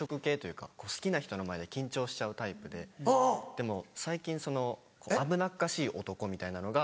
でも最近危なっかしい男みたいなのが。